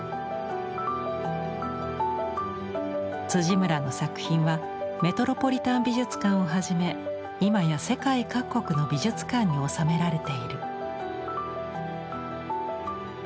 村の作品はメトロポリタン美術館をはじめ今や世界各国の美術館に収められている。